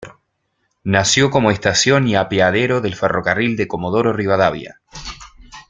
Nació como estación y apeadero del Ferrocarril de Comodoro Rivadavia.